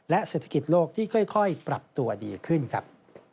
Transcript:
เศรษฐกิจโลกที่ค่อยปรับตัวดีขึ้นครับ